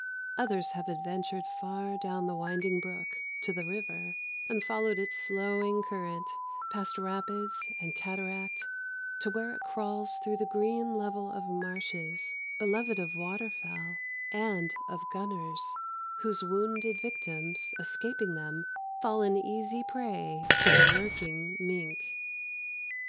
Others have adventured far down the winding brook to the river, and followed its slowing current, past rapids and cataract, to where it crawls through the green level of marshes beloved of water fowl and of gunners, whose wounded victims, escaping them, fall an easy prey to the lurking mink.